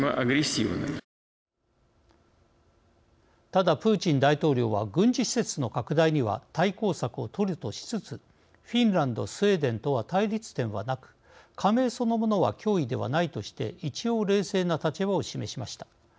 ただ、プーチン大統領は軍事施設の拡大には対抗策を取るとしつつフィンランドスウェーデンとは対立点はなく加盟そのものは脅威ではないとして一応、冷静な立場を示しました。